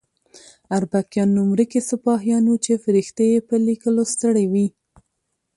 اربکیان نوم ورکي سپاهیان وو چې فرښتې یې په لیکلو ستړې وي.